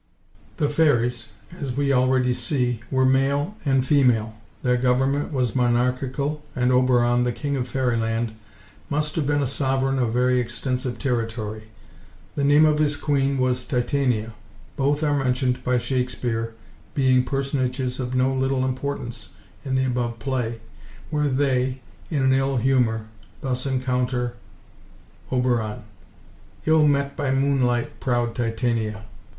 The fairies, as we already see, were male and female. Their government was monarchical, and Oberon, the King of Fairyland, must have been a sovereign of very extensive territory. The name of his queen was Titania. Both are mentioned by Shakespeare, being personages of no little importance in the above play, where they, in an ill–humour, thus encounter: Obe. Ill met by moonlight, proud Titania. Tita.